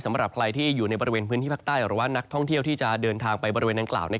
สำหรับใครที่อยู่ในบริเวณพื้นที่ภาคใต้หรือว่านักท่องเที่ยวที่จะเดินทางไปบริเวณนางกล่าว